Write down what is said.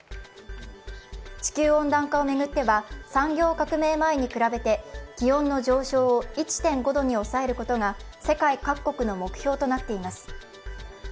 地球温暖化を巡っては産業革命前に比べて気温の上昇を１．５度に抑えることが世界各国の目標となっています。